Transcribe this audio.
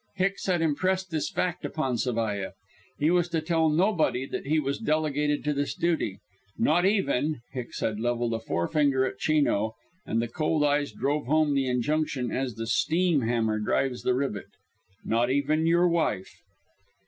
Hicks had impressed this fact upon Zavalla. He was to tell nobody that he was delegated to this duty. "Not even" Hicks had leveled a forefinger at Chino, and the cold eyes drove home the injunction as the steam hammer drives the rivet "not even your wife."